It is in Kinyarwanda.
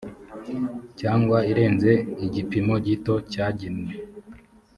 cyangwa irenze igipimo gito cyagenwe